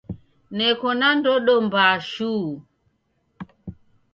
Neko na ndodo mbaa shuu.